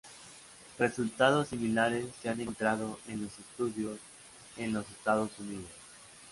Resultados similares se han encontrado en los estudios en los Estados Unidos.